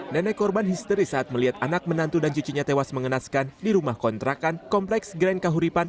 nenek korban histeris saat melihat anak menantu dan cucunya tewas mengenaskan di rumah kontrakan kompleks grand kahuripan